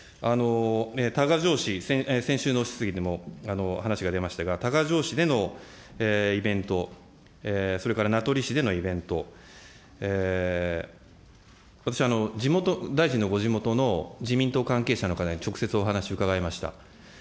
多賀城市、先週の質疑でも話が出ましたが、多賀城市でのイベント、それから名取市でのイベント、私、地元、大臣のご地元の自民党関係者の方に直接お話伺いました。